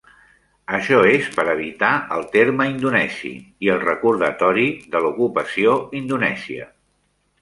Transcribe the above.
Això és per evitar el terme indonesi i el recordatori de l'ocupació indonèsia.